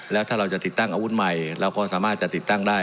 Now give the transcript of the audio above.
แล้วถ้าเราจะติดตั้งอาวุธใหม่เราก็สามารถจะติดตั้งได้